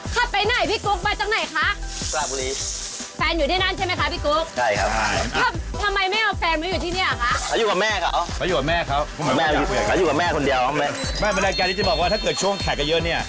ขับไปไหนพี่กุ๊กไปจากไหนคะ